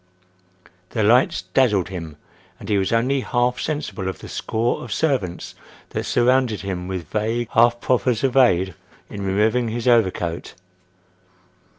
The lights dazzled him, and he was only half sensible of the score of servants that surrounded him with vague, half proffers of aid in removing his overcoat.